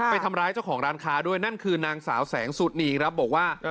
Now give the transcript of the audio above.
ไปทำร้ายเจ้าของร้านค้าด้วยนั่นคือนางสาวแสงสุนีครับบอกว่า